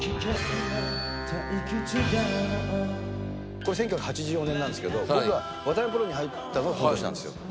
これ１９８４年なんですけど僕が渡辺プロに入ったのがこの年なんですよ。